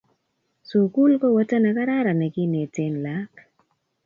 sukul ku weto nekararan nekineten laak